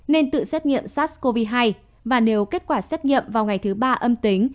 nên tự xét nghiệm sars cov hai và nếu kết quả xét nghiệm vào ngày thứ ba âm tính